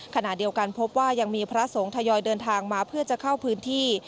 ขณะเดียวกันพบว่ายังมีพระสงฆ์ทยอยเดินทางมาเพื่อจะเข้าพื้นที่